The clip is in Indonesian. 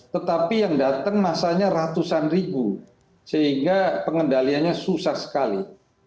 tetapi yang datang masanya ratusan ribu sehingga pengendaliannya susah sekali